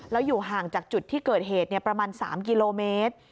แล้วอยู่ห่างจากจุดที่เกิดเหตุประมาณ๓กิโลเมตร